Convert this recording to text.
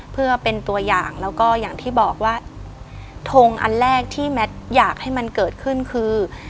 เพื่อเป็นตัวอย่างแล้วก็อย่างที่บอกว่าทงอันแรกที่แมทอยากให้มันเกิดขึ้นคือ